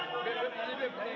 kita akan berharap